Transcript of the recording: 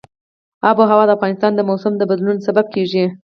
آب وهوا د افغانستان د موسم د بدلون سبب کېږي.